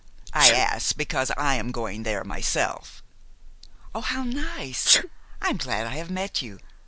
I ask because I am going there myself." "Oh, how nice! I am glad I have met you.